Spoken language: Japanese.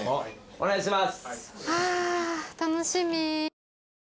お願いします。